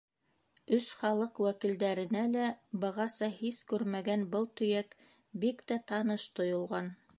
Өс халыҡ вәкилдәренә лә бығаса һис күрмәгән был төйәк бик тә таныш тойолған.